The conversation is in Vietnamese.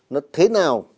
nó thế nào